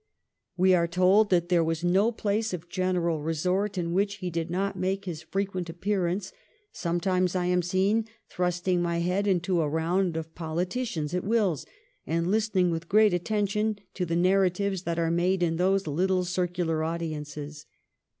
We are told that there was no place of general resort in which he did not make his frequent appearance ;' sometimes I am seen thrusting my head into a round of politicians at Will's, and listening with great attention to the narratives that are made in those little circular audiences.'